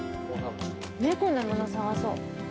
猫のもの探そう。